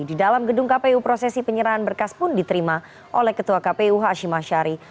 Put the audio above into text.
di dalam gedung kpu prosesi penyerahan berkas pun diterima oleh ketua kpu hashim ashari